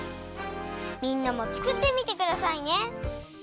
みんなもつくってみてくださいね。